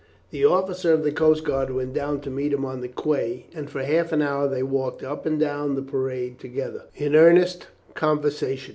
The officer of the coast guard went down to meet him on the quay, and for half an hour they walked up and down the parade together, in earnest conversation.